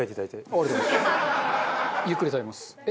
ゆっくり食べます。